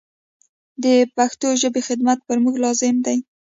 د پښتو ژبي خدمت پر موږ لازم دی.